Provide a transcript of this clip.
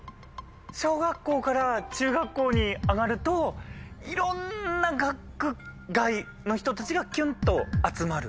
小学校から中学校に上がるといろんな学区外の人たちがキュンと集まる。